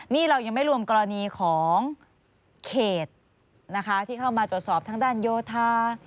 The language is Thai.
นี่เรายังไม่รวมกรณีของเขตนะคะที่เข้ามาตรวจสอบทางด้านโยธา